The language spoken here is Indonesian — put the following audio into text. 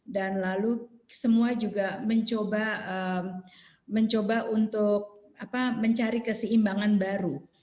dan lalu semua juga mencoba untuk mencari keseimbangan baru